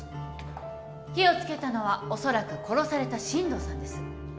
火を付けたのはおそらく殺された進藤さんです。